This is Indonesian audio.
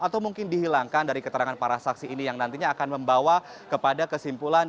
atau mungkin dihilangkan dari keterangan para saksi ini yang nantinya akan membawa kepada kesimpulan